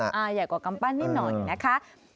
อ่าย่ายกว่ากคำปั้นนิดหน่อยนะคะ